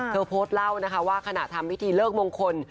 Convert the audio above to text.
เธอโพสต์เล่าว่าขณะทำวิธีเลิกมงคล